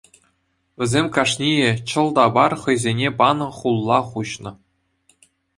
Вӗсем кашнийӗ чӑл та пар хӑйсене панӑ хулла хуҫнӑ.